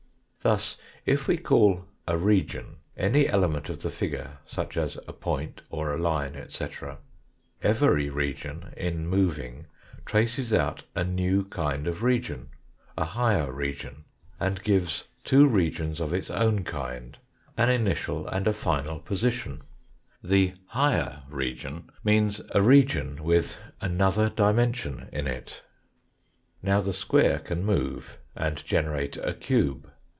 Thus, if we call " a region " any element of the figure, such as a point, or a line, etc., every "region" in moving traces out a new kind of region, " a higher region," and gives two regions pf its, own kind, an initial a.nd a final THE SIMPLEST FOUR DIMENSIONAL SOLID 171 position. The " higher region " means a region with another dimension in it. Now the square can move and generate a cube.